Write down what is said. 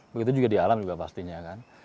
begitu juga di alam juga pastinya kan